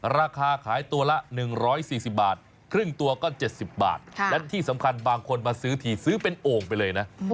ราคาขายตัวละ๑๔๐บาทครึ่งตัวก็๗๐บาทและที่สำคัญบางคนมาซื้อทีซื้อเป็นโอ่งไปเลยนะ